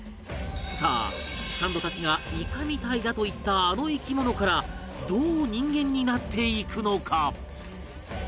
さあサンドたちがイカみたいだと言ったあの生き物からどう人間になっていくのか？